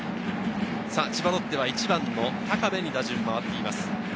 千葉ロッテは１番の高部に打順が回っています。